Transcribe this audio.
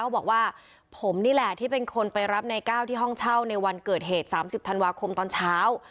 บอกว่าผมนี่แหละที่เป็นคนไปรับในก้าวที่ห้องเช่าในวันเกิดเหตุ๓๐ธันวาคมตอนเช้า